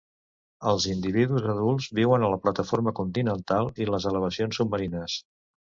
Els individus adults viuen a la plataforma continental i les elevacions submarines.